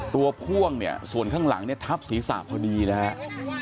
ตัวภ่วงส่วนข้างหลังทับศีรีสาธารณ์ผลิปรภาพ